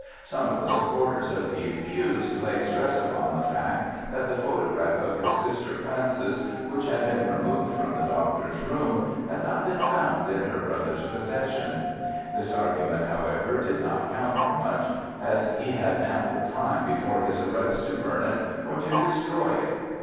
Some of the supporters of the accused laid stress upon the fact that the photograph of his sister Frances, which had been removed from the doctor's room, had not been found in her brother's possession. This argument, however, did not count for much, as he had ample time before his arrest to burn it or to destroy it.